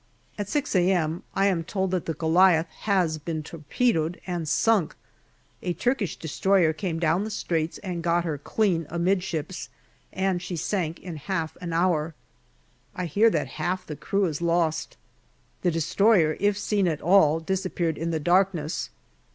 At 6 a.m. I am told that the Goliath has been torpedoed and sunk. A Turkish destroyer came down the Straits and got her clean amidships, and she sank in half an hour. I hear that half the crew is lost. The destroyer, if seen at all, disappeared in the darkness.